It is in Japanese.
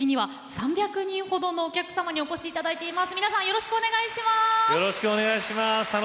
よろしくお願いします。